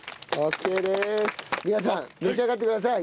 皆さん召し上がってください。